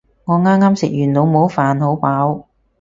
我啱啱食完老母飯，好飽